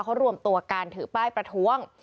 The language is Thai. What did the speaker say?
เขารวมตัวการถือป้ายประท้วง